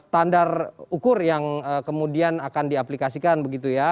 standar ukur yang kemudian akan diaplikasikan begitu ya